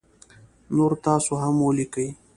نور تاسو هم ولیکی